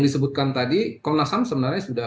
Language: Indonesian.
disebutkan tadi komnas ham sebenarnya sudah